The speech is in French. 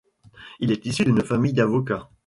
Il est issu d'une famille d'avocat.